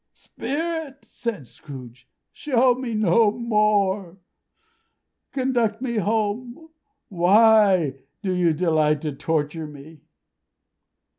"Spirit!" said Scrooge, "show me no more! Conduct me home. Why do you delight to torture me?"